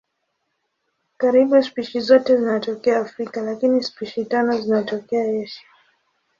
Karibu spishi zote zinatokea Afrika lakini spishi tano zinatokea Asia.